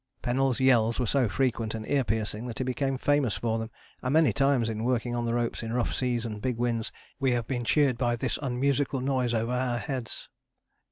Pennell's yells were so frequent and ear piercing that he became famous for them, and many times in working on the ropes in rough seas and big winds, we have been cheered by this unmusical noise over our heads.